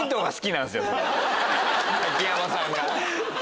ザキヤマさんが。